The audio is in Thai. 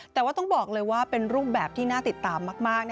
แต่ว่าต้องบอกเลยว่าเป็นรูปแบบที่น่าติดตามมาก